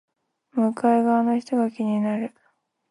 向かい側の人が気になる